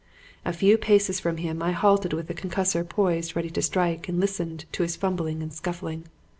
A few paces from him I halted with the concussor poised ready to strike and listened to his fumbling and scuffling.